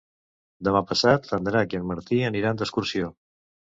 Demà passat en Drac i en Martí aniran d'excursió.